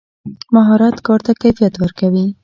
مهارت کار ته کیفیت ورکوي.